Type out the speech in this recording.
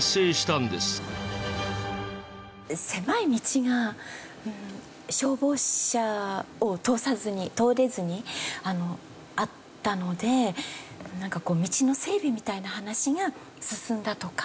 狭い道が消防車を通さずに通れずにあったのでなんかこう道の整備みたいな話が進んだとか。